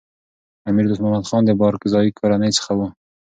امیر دوست محمد خان د بارکزايي کورنۍ څخه و.